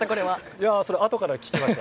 いや、あとから聞きました。